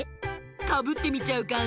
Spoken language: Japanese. かぶってみちゃうかんじ？